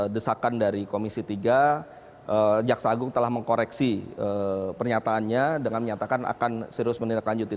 di jaksa agung jaksa agung telah mengkoreksi pernyataannya dengan menyatakan akan serius menilai lanjuti